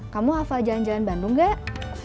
kamu hafal jalan jalan bandung gak